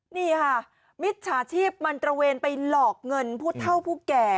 นี่ค่ะมิจฉาชีพมันตระเวนไปหลอกเงินผู้เท่าผู้แก่